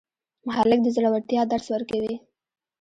هلک د زړورتیا درس ورکوي.